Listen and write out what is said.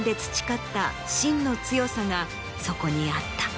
がそこにあった。